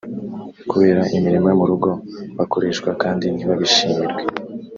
kubera imirimo yo mu rugo bakoreshwa kandi ntibabishimirwe